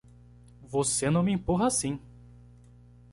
Você não me empurra assim!